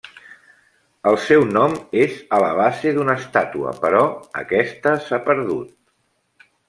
El seu nom és a la base d'una estàtua, però aquesta s'ha perdut.